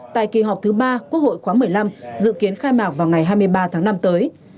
tại kỳ họp thứ ba quốc hội khóa một mươi năm dự kiến khai mạc vào ngày hai mươi ba tháng năm tới